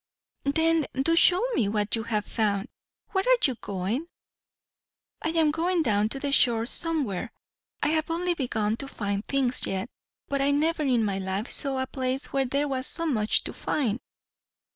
"Then do show me what you have found. Where are you going?" "I am going down to the shore somewhere. I have only begun to find things yet; but I never in my life saw a place where there was so much to find."